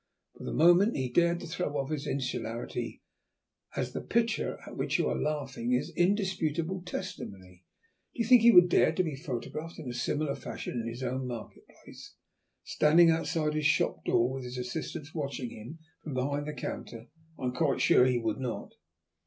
For the moment he dared to throw off his insularity, as the picture at which you are laughing is indisputable testimony. Do you think he would dare to be photographed in a similar fashion in his own market place, standing outside his shop door with his assistants watching him from behind the counter? I am quite sure he would not!"